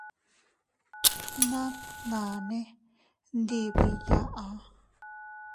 Bnamnane ndibii yaʼa.